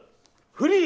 フリー？